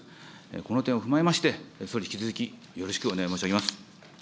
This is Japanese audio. この点を踏まえまして、総理引き続きよろしくお願い申し上げます。